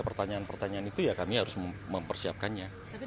pertanyaan pertanyaan itu ya kami harus mempersiapkannya